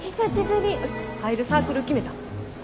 入るサークル決めた？